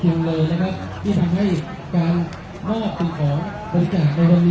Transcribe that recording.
หรือจะเซ็คพักคอยเท่านั้นหรือจะเซ็คพักคอยเท่านั้นบัตรนี้คิ้วไม่มี